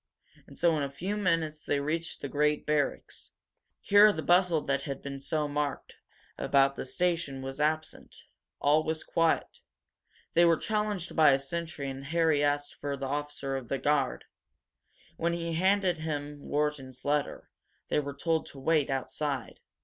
And so in a few minutes they reached the great barracks. Here the bustle that had been so marked about the station was absent. All was quiet. They were challenged by a sentry and Harry asked for the officer of the guard. When he came he handed him Wharton's letter. They were told to wait outside.